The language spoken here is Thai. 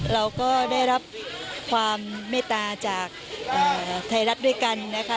เราก็ได้รับความเมตตาจากไทยรัฐด้วยกันนะคะ